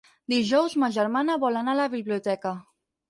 Dijous ma germana vol anar a la biblioteca.